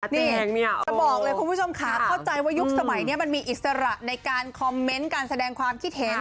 นี่จะบอกเลยคุณผู้ชมค่ะเข้าใจว่ายุคสมัยนี้มันมีอิสระในการคอมเมนต์การแสดงความคิดเห็น